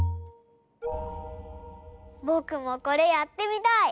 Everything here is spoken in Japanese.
ぼくもこれやってみたい！